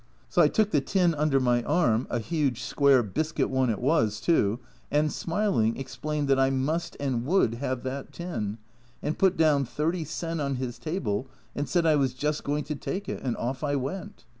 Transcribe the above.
So I took the tin under my arm (a huge square biscuit one it was too) and smiling, explained that I must and would have that tin, and put down 30 sen on his table and said I was just going to take it, and off I went.